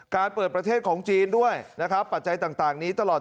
เปิดประเทศของจีนด้วยนะครับปัจจัยต่างนี้ตลอด